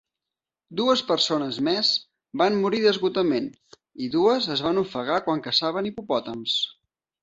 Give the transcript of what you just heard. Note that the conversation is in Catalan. Dues persones més van morir d'esgotament, i dues es van ofegar quan caçaven hipopòtams.